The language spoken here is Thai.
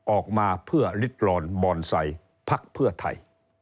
ออกมาเพื่อฤดลอนบ่อนใสภักดิ์เพื่อไทย